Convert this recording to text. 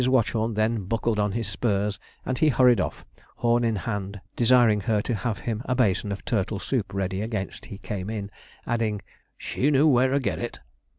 Watchorn then buckled on his spurs, and he hurried off, horn in hand, desiring her to have him a basin of turtle soup ready against he came in; adding, 'She knew where to get it.'